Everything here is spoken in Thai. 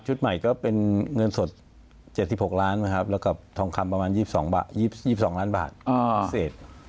ชุดใหม่ก็เป็นเงินสด๗๖ล้านบาทแล้วกับทองคำประมาณ๒๒ล้านบาทเศษ